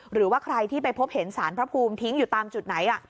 หรือว่าใครที่ไปพบเห็นสารพระภูมิทิ้งอยู่ตามจุดไหน